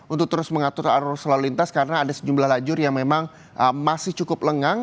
untuk terus mengatur arus lalu lintas karena ada sejumlah lajur yang memang masih cukup lengang